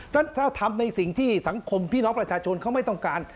ฉะถ้าทำในสิ่งที่สังคมพี่น้องประชาชนเขาไม่ต้องการ